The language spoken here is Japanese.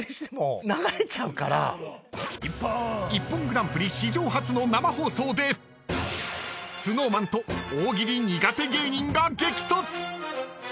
［『ＩＰＰＯＮグランプリ』史上初の生放送でＳｎｏｗＭａｎと大喜利苦手芸人が激突！］